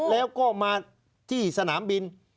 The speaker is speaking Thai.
แล้วก็มาที่สนามบิน